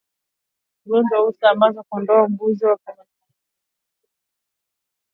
Ugonjwa huu husambazwa kondoo au mbuzi wanapokula lishe au kunywa maji yaliyo na mayai